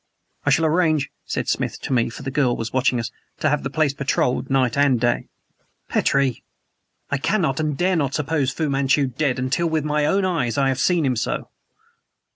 "I shall arrange," Smith whispered to me, for the girl was watching us, "to have the place patrolled night and day." "You cannot suppose " "Petrie! I cannot and dare not suppose Fu Manchu dead until with my own eyes I have seen him so!"